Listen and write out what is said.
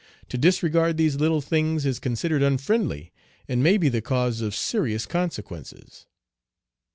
To disregard these little things is considered unfriendly, and may be the cause of serious consequences.